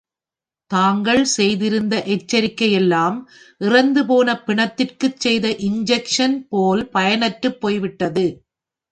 தாங்கள் செய்திருந்த எச்சரிக்கை யெல்லாம் இறந்துபோன பிணத்திற்குச் செய்த இன்செக்ஷன் போல் பயனற்றுப் போய்விட்டது.